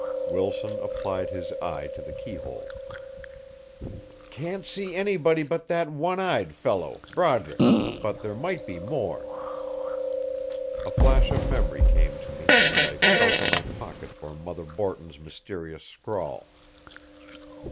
Wilson applied his eye to the keyhole. "Can't see anybody but that one eyed fellow, Broderick, but there might be more." A flash of memory came to me, and I felt in my pocket for Mother Borton's mysterious scrawl.